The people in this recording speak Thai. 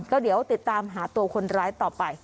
ก็เดี๋ยวติดตามหาตัวคนร้ายต่อไป